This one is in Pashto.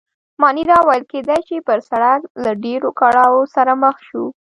مانیرا وویل: کېدای شي، پر سړک له ډېرو کړاوو سره مخ شو.